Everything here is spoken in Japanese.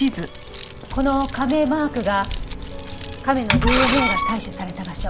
この亀マークが亀のＤＮＡが採取された場所。